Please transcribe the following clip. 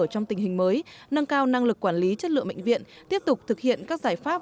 trong tình hình mới nâng cao năng lực quản lý chất lượng bệnh viện tiếp tục thực hiện các giải pháp